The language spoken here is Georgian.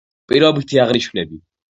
პირობითი აღნიშვნები